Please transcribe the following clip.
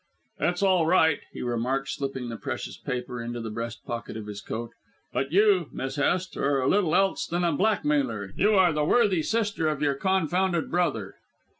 "It's all right," he remarked, slipping the precious paper into the breast pocket of his coat. "But you, Miss Hest, are little else than a blackmailer. You are the worthy sister of your confounded brother."